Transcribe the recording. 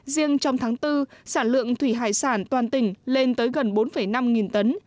riêng trong tháng bốn sản lượng thủy hải sản toàn tỉnh lên tới gần bốn năm nghìn tấn